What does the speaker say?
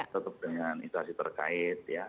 tetap dengan instasi terkait ya